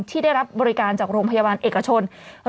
ที่ได้รับบริการจากโรงพยาบาลเอกชน